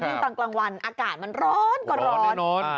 ตอนกลางวันอากาศมันร้อนก็ร้อน